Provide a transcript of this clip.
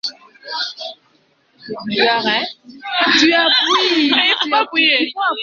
Pia kuna bodi ya heshima kwa Msomi wa Mwaka kutoka kwa Shule ya Msingi.